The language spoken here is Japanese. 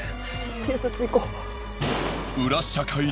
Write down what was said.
警察行こう。